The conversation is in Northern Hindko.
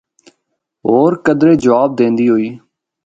ہور کدرے جواب دیندی ہوئی۔